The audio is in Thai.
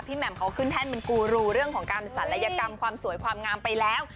แหม่มเขาขึ้นแท่นเป็นกูรูเรื่องของการศัลยกรรมความสวยความงามไปแล้ว